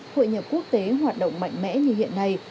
hội nhập quốc tế hoạt động mạnh mẽ như hiện nay